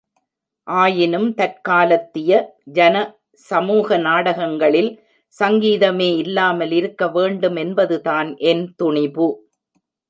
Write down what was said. ஆயினும் தற்காலத்திய ஜன சமூக நாடகங்களில் சங்கீதமே இல்லாமலிருக்க வேண்டும் என்பதுதான் என் துணிபு.